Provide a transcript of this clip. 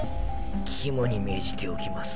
肝に銘じておきます。